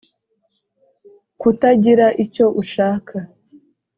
- kutagira icyo ushaka